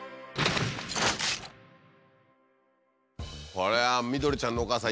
これはみどりちゃんのお母さん